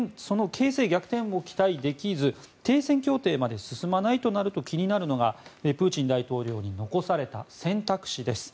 形勢逆転も期待できず停戦協定まで進まないとなると気になるのはプーチン大統領に残された選択肢です。